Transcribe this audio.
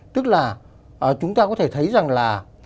tức là chúng ta có thể thấy rằng là